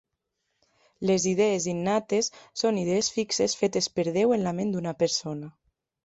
Les idees innates són idees fixes fetes per Déu en la ment d'una persona.